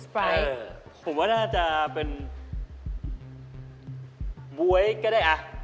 ไปผมว่าน่าจะเป็นบ๊วยก็ได้อ่ะ